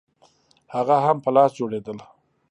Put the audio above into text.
هغه هم په لاس جوړېدل